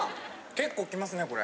結構きますねこれ。